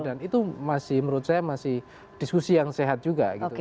dan itu masih menurut saya masih diskusi yang sehat juga gitu